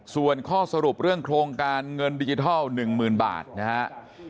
ส่วนข้อสรุปเรื่องโครงการเงินดิจิทัล๑๐๐๐บาทนะครับ